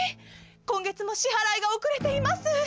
今月も支払いが遅れています』。